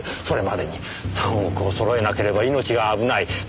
それまでに３億をそろえなければ命が危ない。